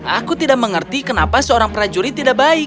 aku tidak mengerti kenapa seorang prajurit tidak baik